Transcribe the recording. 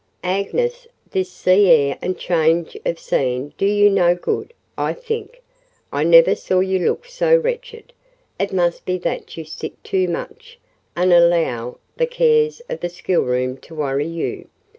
"Agnes, this sea air and change of scene do you no good, I think: I never saw you look so wretched. It must be that you sit too much, and allow the cares of the schoolroom to worry you.